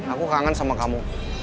aku kangen sama kamu